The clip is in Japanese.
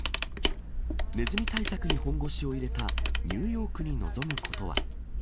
ネズミ対策に本腰を入れたニューヨークに望むことは。